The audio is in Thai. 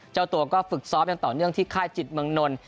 แล้วตัวก็ฝึกซอฟต์ยังต่อเนื่องที่ค่ายจิตเมิงนนท์